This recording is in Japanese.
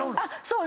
そう。